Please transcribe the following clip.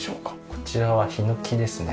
こちらはヒノキですね。